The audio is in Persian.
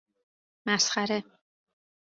مسخره